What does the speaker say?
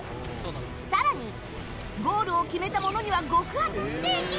更に、ゴールを決めた者には極厚ステーキ！